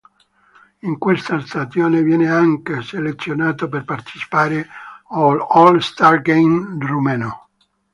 In questa stagione viene anche selezionato per partecipare all'All-Star Game rumeno.